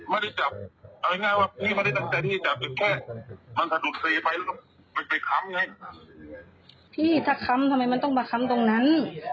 ไว้ครั้งไงพี่ทักพังทำไมมันต้องบักคำตรงนั้น